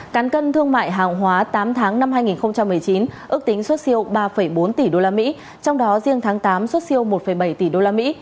cán cân thương mại hàng hóa tám tháng năm hai nghìn một mươi chín ước tính xuất siêu ba bốn tỷ đô la mỹ trong đó riêng tháng tám xuất siêu một bảy tỷ đô la mỹ